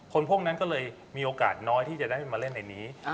พวกนั้นก็เลยมีโอกาสน้อยที่จะได้มาเล่นในนี้